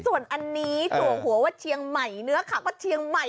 ส่วนอันนี้จัวหัวว่าเชียงใหม่เนื้อข่าวก็เชียงใหม่